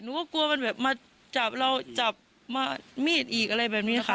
หนูก็กลัวมันมาจับเราจับมามีดอีกอะไรแบบนี้นะคะ